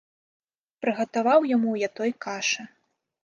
Прыгатаваў яму я той кашы.